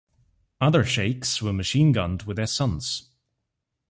Other sheikhs were machine gunned with their sons.